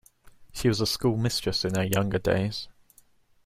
She was a schoolmistress in her younger days.